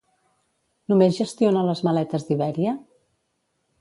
Només gestiona les maletes d'Ibèria?